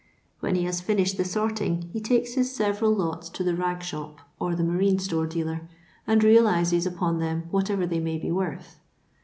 When he hat finished the sorting he takes his several lots to the rag shop or the marine store dealer, and realises vpOK them whatever they may be worth.